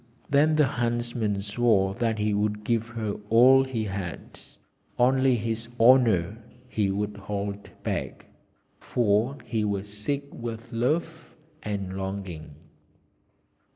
Then the huntsman swore that he would give her all he had; only his honour would he hold back, for he was sick with love and longing.